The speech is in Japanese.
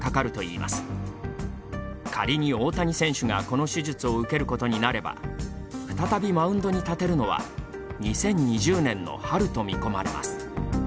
仮に大谷選手がこの手術を受けることになれば再びマウンドに立てるのは２０２０年の春と見込まれます。